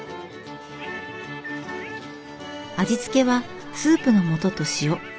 味付けはスープのもとと塩。